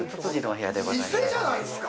店じゃないですか。